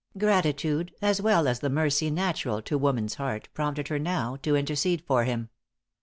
Gratitude, as well as the mercy natural to woman's heart, prompted her now to intercede for him.